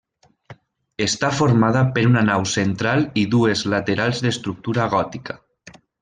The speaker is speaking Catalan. Està formada per una nau central i dues laterals d'estructura gòtica.